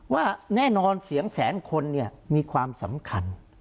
ว่าแน่นอนเสียงแสนคนเนี่ยมีความสำคัญ